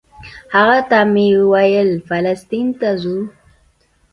هغه ته مې ویل فلسطین ته ځو.